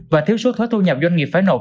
và thiếu số thuế thu nhập doanh nghiệp phải nộp